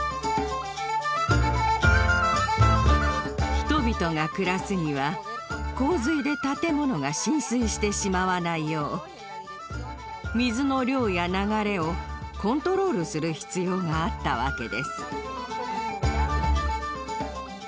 人々が暮らすには洪水で建物が浸水してしまわないよう水の量や流れをコントロールする必要があったわけです。